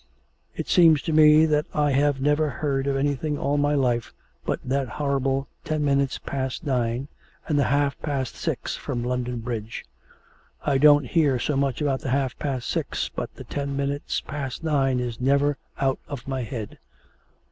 It seems to me that I have never heard of anything all my life but that horrible ten minutes past nine and the half past six from London Bridge. I don't hear so much about the half past six, but the ten minutes past nine is never out of my head.